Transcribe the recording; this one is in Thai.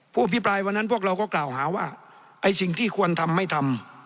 ผู้อภิปรายวันนั้นพวกเราก็กล่าวหาว่าไอ้สิ่งที่ควรทำไม่ทำ